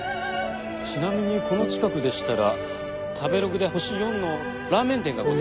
ちなみにこの近くでしたら食べログで星４のラーメン店がございます。